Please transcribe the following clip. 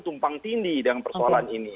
tumpang tindi dengan persoalan ini